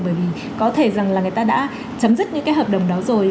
bởi vì có thể rằng là người ta đã chấm dứt những cái hợp đồng đó rồi